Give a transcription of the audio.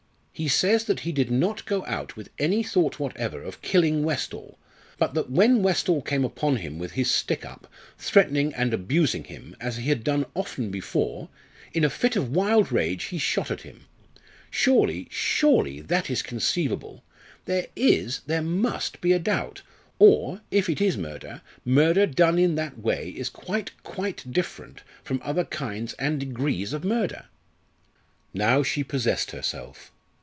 He says that he did not go out with any thought whatever of killing Westall, but that when Westall came upon him with his stick up, threatening and abusing him, as he had done often before, in a fit of wild rage he shot at him. Surely, surely that is conceivable? There is there must be a doubt; or, if it is murder, murder done in that way is quite, quite different from other kinds and degrees of murder." Now she possessed herself.